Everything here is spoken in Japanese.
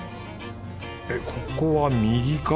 えっここは右か？